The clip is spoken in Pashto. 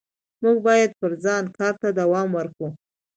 موږ باید پر ځان کار ته دوام ورکړو